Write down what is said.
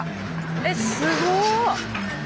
えっすご。